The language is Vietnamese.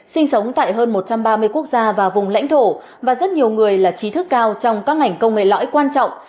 sinh sống tại hơn một trăm ba mươi quốc gia và vùng lãnh thổ và rất nhiều người là trí thức cao trong các ngành công nghệ lõi quan trọng